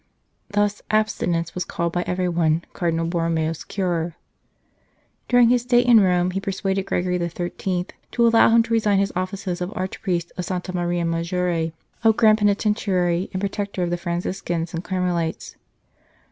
Thus, abstinence was called by everyone " Cardinal Borromeo s cure." During his stay in Rome, he persuaded Gre gory XIII. to allow him to resign his offices of Archpriest of Santa Maria Maggiore, of Grand Penitentiary and Protector of the Franciscans and Carmelites.